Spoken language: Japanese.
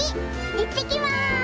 いってきます！